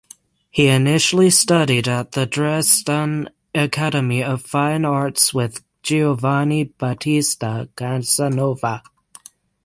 He initially studied at the Dresden Academy of Fine Arts with Giovanni Battista Casanova.